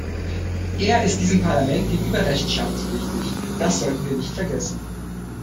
Er ist diesem Parlament gegenüber rechenschaftspflichtig, das sollten wir nicht vergessen.